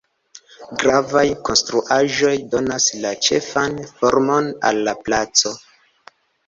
Gravaj konstruaĵoj donas la ĉefan formon al la placo.